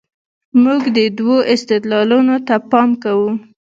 موږ دې دوو استدلالونو ته پام کوو.